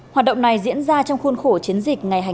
hoạt động này diễn ra trong khuôn khổ chiến dịch